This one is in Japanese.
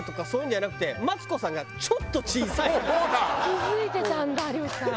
気付いてたんだ有吉さん。